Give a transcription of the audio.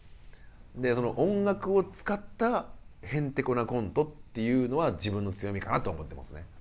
でその音楽を使ったヘンテコなコントっていうのは自分の強みかなとは思ってますね。